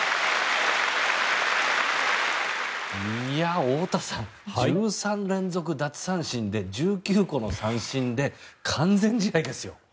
いや、太田さん１３連続奪三振で１９個の三振で完全試合ですよ。